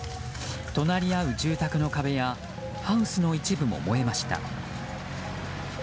隣り合う住宅の壁やハウスの一部も燃えました。